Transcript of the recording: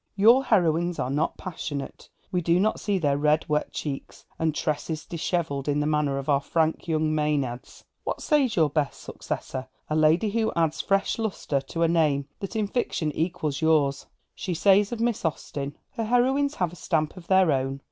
Your heroines are not passionate, we do not see their red wet cheeks, and tresses dishevelled in the manner of our frank young Maenads. What says your best successor, a lady who adds fresh lustre to a name that in fiction equals yours? She says of Miss Austen: 'Her heroines have a stamp of their own.